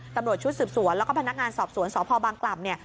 ตำรวจชุดสืบสวนแล้วก็พนักงานสอบสวนสพบางกล่ำเนี่ย